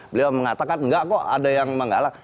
beliau mengatakan enggak kok ada yang menggalak